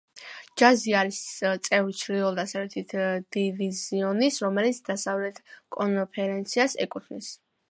ჯაზი არის წევრი ჩრდილო-დასავლეთი დივიზიონის, რომელიც დასავლეთ კონფერენციას ეკუთვნის.